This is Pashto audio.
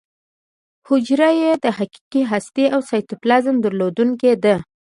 حجره یې د حقیقي هستې او سایټوپلازم درلودونکې ده.